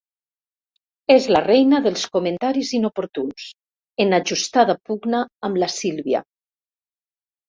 És la reina dels comentaris inoportuns, en ajustada pugna amb la Sílvia.